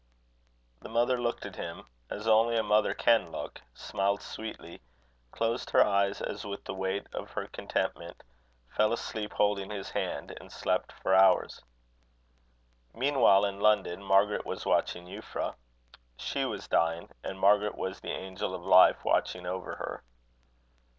The mother looked at him, as only a mother can look, smiled sweetly, closed her eyes as with the weight of her contentment, fell asleep holding his hand, and slept for hours. Meanwhile, in London, Margaret was watching Euphra. She was dying, and Margaret was the angel of life watching over her.